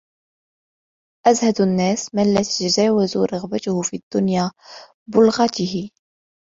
أَزْهَدُ النَّاسِ مَنْ لَا تَتَجَاوَزُ رَغْبَتُهُ مِنْ الدُّنْيَا بُلْغَتِهِ